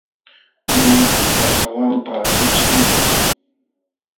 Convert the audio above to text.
Lunkupa hawanpaq ićhiqlun.